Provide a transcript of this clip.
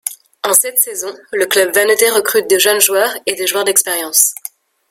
En cette saison, le club Vannetais recrute de jeunes joueurs et des joueurs d'expérience.